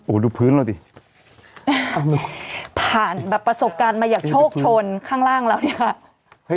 โอ้โหดูพื้นเราดิผ่านแบบประสบการณ์มาอย่างโชคชนข้างล่างเราเนี่ยค่ะ